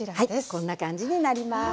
こんな感じになります。